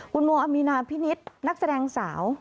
คุณโมอามีนาพินิษฐ์นักแสดงสาว